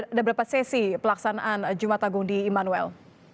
ada berapa sesi pelaksanaan jumat agung di immanuel